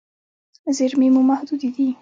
زیرمې مو محدودې دي.